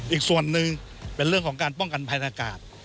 อีกส่วนหนึ่งเป็นเรื่องของการป้องกันภัยอากาศ